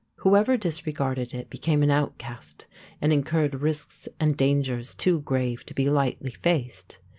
Whoever disregarded it became an outcast and incurred risks and dangers too grave to be lightly faced.